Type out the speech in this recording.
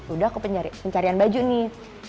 udah aku pencarian baju nih